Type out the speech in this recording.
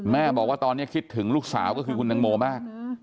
แม่บอกว่าตอนนี้คิดถึงลูกสาวก็คือคุณตังโมมาก